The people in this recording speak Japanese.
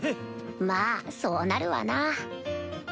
まぁそうなるわな